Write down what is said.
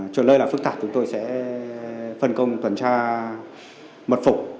cho nơi là phức tạp chúng tôi sẽ phân công tuần tra mật phục